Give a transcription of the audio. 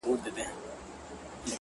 راويښ شم کله کله ځان ته پام کؤم ضمير يم